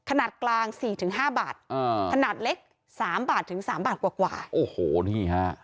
ขนาดกลางสี่ถึงห้าบาทอ่าขนาดเล็กสามบาทถึงสามบาทกว่ากว่าโอ้โหนี่ฮะ